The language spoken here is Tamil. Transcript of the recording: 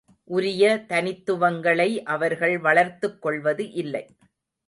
உரிய தனித்துவங்களை அவர்கள் வளர்த்துக்கொள்வது இல்லை.